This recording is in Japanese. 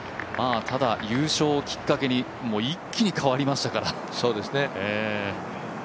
ただ、優勝をきっかけに一気に変わりましたから。